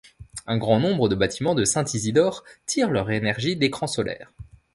Un grand nombre de bâtiments de Saint-Isidore tirent leur énergie d’écrans solaires.